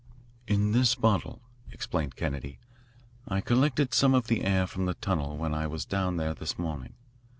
"In this bottle," explained Kennedy, "I collected some of the air from the tunnel when I was down there this morning.